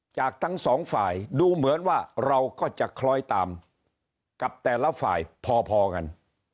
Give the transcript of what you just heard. จากทั้งสองฝ่ายดูเหมือนว่าเราก็จะคล้อยตามกับแต่ละฝ่ายพอกัน